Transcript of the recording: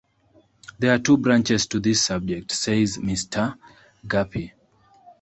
"There are two branches to this subject," says Mr. Guppy.